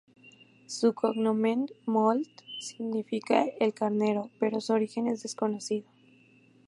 Su cognomen, "molt", significa "el carnero" pero su origen es desconocido.